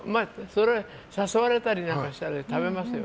誘われたりなんかしたら食べますよ。